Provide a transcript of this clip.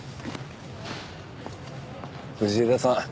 藤枝さん